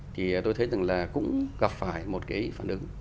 thì tôi thấy rằng là cũng gặp phải một cái phản ứng